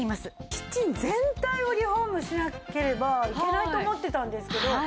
キッチン全体をリフォームしなければいけないと思ってたんですけど。